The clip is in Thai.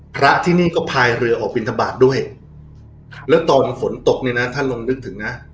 พระที่นี่ก็พายเรือออกบินทบาทด้วยแล้วตอนฝนตกเนี่ยนะท่านลองนึกถึงนะ